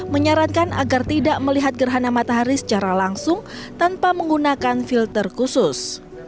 menyarankan agar tidak melihat gerhana matahari secara langsung tanpa menggunakan filter khusus